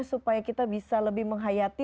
supaya kita bisa lebih menghayati